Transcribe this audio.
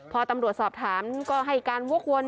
พอตำรวจสอบถามก็ให้การวกวน